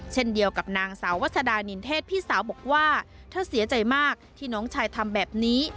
เช่นเดียวกับนางสาววัสดานินเทศพี่สาวบอกว่าเธอเสียใจมากที่น้องชายทำแบบนี้